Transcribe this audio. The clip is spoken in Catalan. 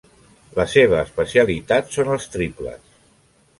La seva especialitat són els triples.